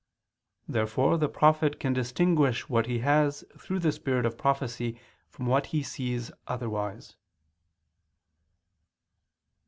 Therefore the prophet can distinguish what he has through the spirit of prophecy from what he sees otherwise.